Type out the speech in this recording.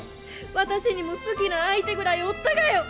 私にも好きな相手ぐらいおったがよ！